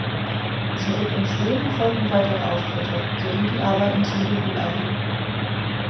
Zurück in Schweden folgten weitere Auftritte, sowie die Arbeiten zum Debütalbum.